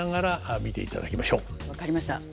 分かりました。